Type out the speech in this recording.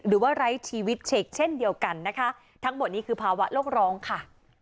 หรือว่าไร้ชีวิตเฉกเช่นเดียวกันนะคะทั้งหมดนี้คือภาวะโลกร้องค่ะ